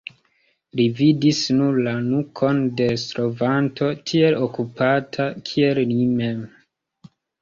Li vidis nur la nukon de slovanto tiel okupata kiel li mem.